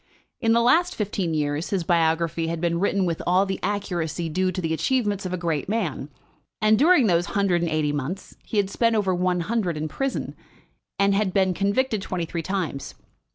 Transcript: In the last fifteen years his biography had been written with all the accuracy due to the achievements of a great man; and during those hundred and eighty months he had spent over one hundred in prison, and had been convicted twenty three times.